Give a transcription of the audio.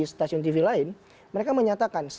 stasiun tv lain mereka menyatakan